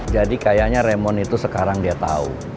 jadi kayaknya raymond itu sekarang dia tahu